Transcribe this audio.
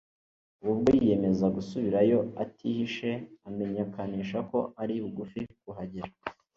Ubu bwo, yiyemeza gusubirayo atihishe, amenyekanisha ko ari bugufi kuhagera.